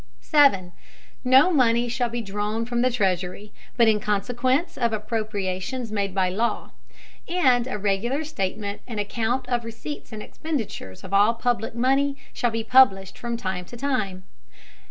No Money shall be drawn from the Treasury, but in Consequence of Appropriations made by Law; and a regular Statement and Account of the Receipts and Expenditures of all public Money shall be published from time to time.